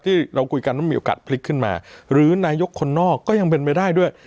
ที่เราคุยกันว่ามีโอกาสพลิกขึ้นมาหรือนายกคนนอกก็ยังเป็นไปได้ด้วย